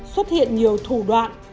xuất hiện nhiều thủ đoạn